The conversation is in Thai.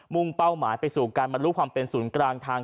่งเป้าหมายไปสู่การบรรลุความเป็นศูนย์กลางทาง